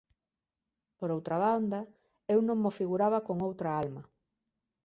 Por outra banda, eu non mo figuraba con outra alma.